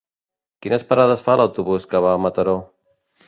Quines parades fa l'autobús que va a Mataró?